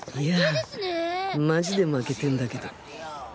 いやマジで負けてんだけど